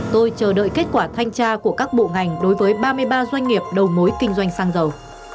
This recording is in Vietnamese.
tôi chờ đợi kết quả thanh tra của các bộ ngành đối với ba mươi ba doanh nghiệp đầu mối kinh doanh xăng dầu